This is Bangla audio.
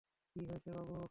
কী হয়েছে, বাবু?